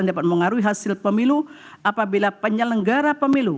dapat mengaruhi hasil pemilu apabila penyelenggara pemilu